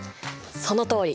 そのとおり。